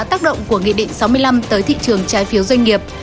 tác động của nghị định sáu mươi năm tới thị trường trái phiếu doanh nghiệp